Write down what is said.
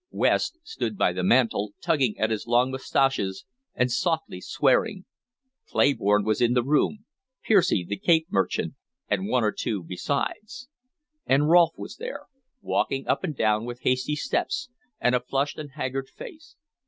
West stood by the mantel, tugging at his long mustaches and softly swearing. Clayborne was in the room, Piersey the Cape Merchant, and one or two besides. And Rolfe was there, walking up and down with hasty steps, and a flushed and haggard face.